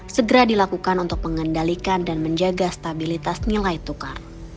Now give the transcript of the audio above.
segera dilakukan untuk mengendalikan dan menjaga stabilitas nilai tukar